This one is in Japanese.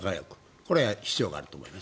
これは必要があると思います。